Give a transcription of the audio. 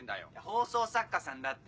放送作家さんだって。